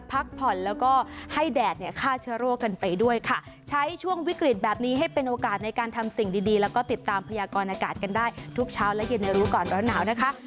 พักผ่อนแล้วก็ให้แดดเนี่ยฆ่าเชื้อโรคกันไปด้วยค่ะใช้ช่วงวิกฤตแบบนี้ให้เป็นโอกาสในการทำสิ่งดีแล้วก็ติดตามพยากรอากาศกันได้ทุกเช้าและเย็นในรู้ก่อนร้อนหนาวนะคะ